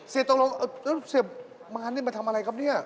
เสียตรงแล้วลูกเสียมอร์นผมมาทำอะไรครับนี่